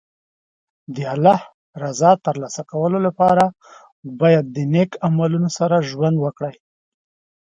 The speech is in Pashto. د الله رضا ترلاسه کولو لپاره باید د نېک عملونو سره ژوند وکړي.